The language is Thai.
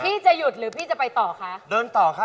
พี่จะหยุดหรือพี่จะไปต่อค่ะ